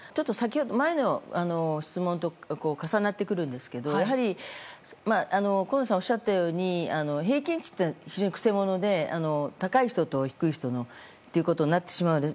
前の質問と重なってくるんですけど河野さん、おっしゃったように平均値というのは非常に曲者で高い人と低い人ということになってしまうんです。